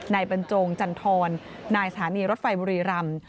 ในบรรจงจันทรนายสถานีรถไฟบุรีรัมน์